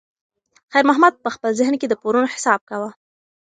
خیر محمد په خپل ذهن کې د پورونو حساب کاوه.